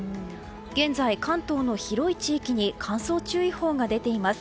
現在、関東の広い地域に乾燥注意報が出ています。